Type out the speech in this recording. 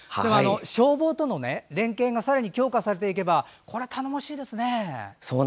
消防との連携がさらに強化されていけば頼もしいですね。